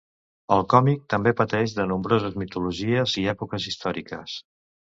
El còmic també parteix de nombroses mitologies i èpoques històriques.